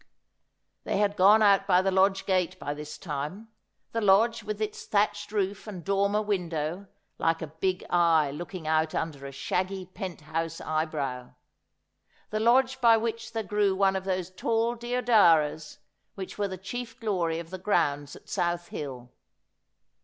They had gone out by the lodge gate by this time, the lodge with its thatched roof and dormer window, like a big eye looking out under a shaggy pent house eyebrow ; the lodge by which there grew one of those tall deodaras which were the chief glory of the grounds at South Hill.